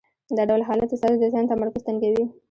دا ډول حالت ستاسې د ذهن تمرکز تنګوي.